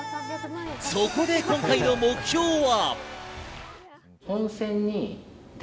そこで今回の目標は。